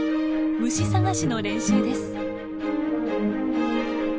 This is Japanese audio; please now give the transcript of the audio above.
虫探しの練習です。